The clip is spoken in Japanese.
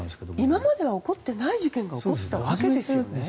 今までは起こっていない事件なわけですよね。